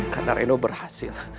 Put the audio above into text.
karena reno berhasil